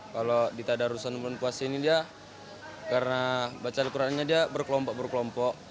kalau di tadarusan bulan puasa ini dia karena baca al qurannya dia berkelompok berkelompok